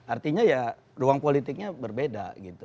artinya ya ruang politiknya berbeda gitu